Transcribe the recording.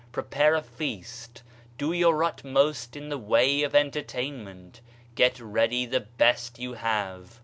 Prepare a feast, do your utmost in the way of entertainment, get ready the best you have."